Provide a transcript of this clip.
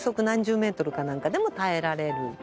何十メートルか何かでも耐えられる。